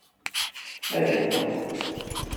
Ali-d!